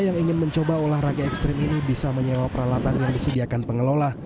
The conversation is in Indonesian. yang ingin mencoba olahraga ekstrim ini bisa menyewa peralatan yang disediakan pengelola